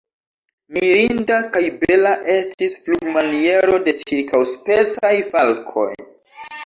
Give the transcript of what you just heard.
Mirinda kaj bela estis flugmaniero de ĉiuspecaj falkoj.